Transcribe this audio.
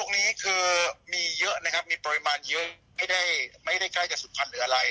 นี่คือมีเยอะนะครับมีปริมาณเยอะไม่ได้ไม่ได้ใกล้จากสุขพันธ์หรืออะไร